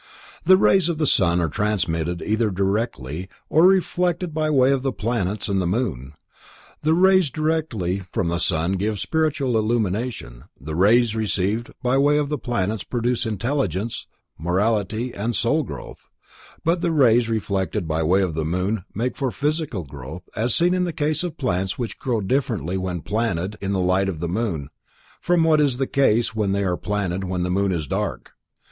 The rays of the sun are transmitted either directly, or reflected by way of the planets and the moon. The rays directly from the sun give spiritual illumination, the rays received by way of the planets produce intelligence, morality, and soul growth, but the rays reflected by way of the moon make for physical growth, as seen in the case of plants which grow differently when planted in the light of the moon from what is the case when they are planted when the moon is dark.